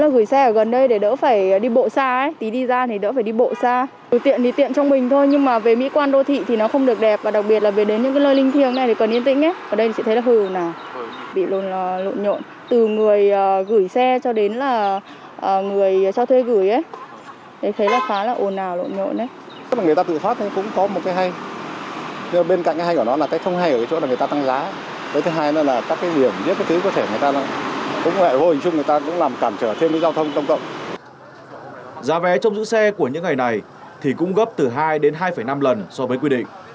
giá vé trong giữ xe của những ngày này thì cũng gấp từ hai đến hai năm lần so với quy định